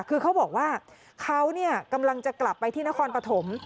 คือเขาบอกว่าเขากำลังจะกลับไปที่นครปฐม